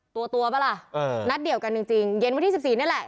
ตัวตัวเปล่าล่ะเออนัดเดี่ยวกันจริงจริงเย็นวันที่สิบสี่นี่แหละ